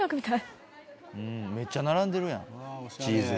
めっちゃ並んでるやんチーズが。